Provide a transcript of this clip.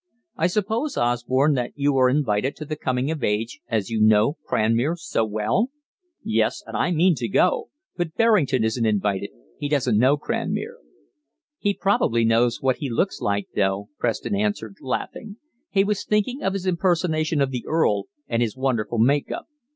I suppose, Osborne, that you are invited to the coming of age, as you know Cranmere so well?" "Yes, and I mean to go. But Berrington isn't invited; he doesn't know Cranmere." "He probably knows what he looks like, though," Preston answered, laughing he was thinking of his impersonation of the Earl, and his wonderful make up.